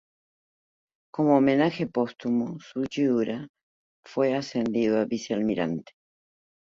Como homenaje póstumo Sugiura fue ascendido a vicealmirante.